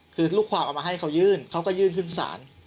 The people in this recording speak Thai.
คือลูกความเอามาให้เขายื่นเขาก็ยื่นขึ้นศาล